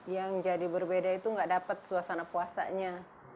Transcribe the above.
yang jadi berbeda itu nggak dapat suasana puasanya